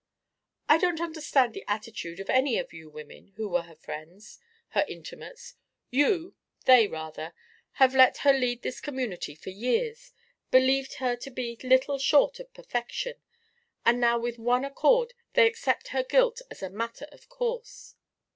"I don't understand the attitude of any of you women who were her friends, her intimates. You they, rather have let her lead this community for years, believed her to be little short of perfection. And now with one accord they accept her guilt as a matter of course."